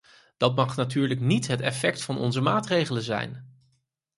Dat mag natuurlijk niet het effect van onze maatregelen zijn.